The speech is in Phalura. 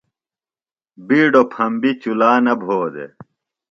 بیڈوۡ پھمبیۡ چُلا نہ بھو دےۡ۔